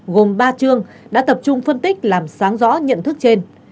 gồm ba chương đã tập trung phân tích làm sáng rõ nhận thức trên